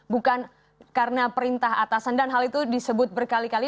bukan karena perintah atasan dan hal itu disebut berkali kali